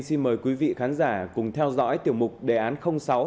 xin mời quý vị khán giả cùng theo dõi tiểu mục đề án sáu